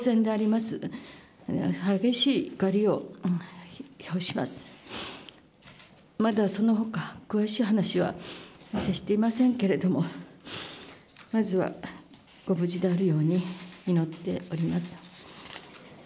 まだその他詳しい話は接していませんけれどまずは、ご無事であるように祈っております。